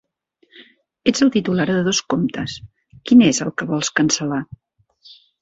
Ets el titular de dos comptes, quin és el que vols cancel·lar?